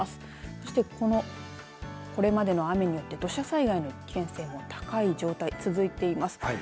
そしてこれまでの雨によって土砂災害の危険性が高い状態が続いています。